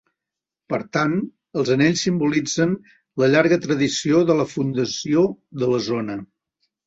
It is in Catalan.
Per tant, els anells simbolitzen la llarga tradició de la fundació de la zona.